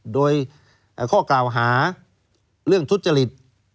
โดยข้อกล่าวหาเรื่องทุจริต